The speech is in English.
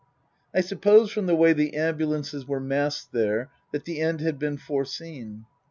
I suppose from the way the ambulances were massec there that the end had been foreseen.